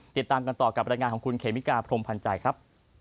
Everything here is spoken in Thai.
ติดตามกันต่อกับรายงานของคุณเขมิกาพรมพันธ์ใจครับ